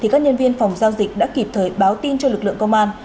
các nhân viên phòng giao dịch đã kịp thời báo tin cho lực lượng công an